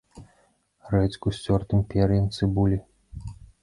Рэдзьку з цёртым пер'ем цыбулі.